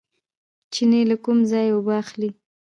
چینې له کوم ځای اوبه اخلي؟